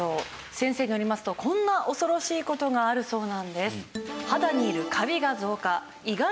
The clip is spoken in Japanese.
先生によりますとこんな恐ろしい事があるそうなんです。